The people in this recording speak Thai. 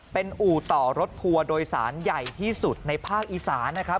เป็นอู่ต่อรถทัวร์โดยสารใหญ่ที่สุดในภาคอีสานนะครับ